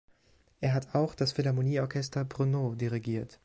Er hat auch das Philharmonieorchester Brno dirigiert.